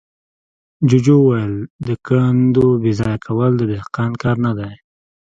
جوجو وويل: د کندو بېځايه کول د دهقان کار نه دی.